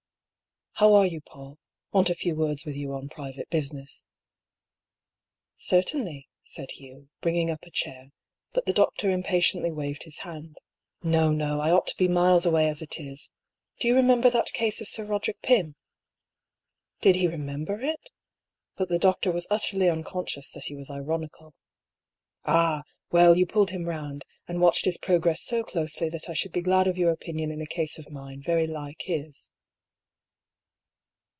" How are you, Paull ? Want a few words with you on private business." " Certainly," said Hugh, bringing up a chair ; but the doctor impatiently waved his hand. " No, no ! I ought to be miles away as it is. Do you remember that case of Sir Eoderick Fym ?" Did he remember it? But the doctor was utterly unconscious that he was ironical. " Ah 1 Well, you pulled him round, and watched his progress so closely that I should be glad of your opinion in a case of mine, very like his."